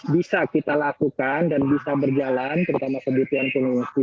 bisa kita lakukan dan bisa berjalan terutama kebutuhan pengungsi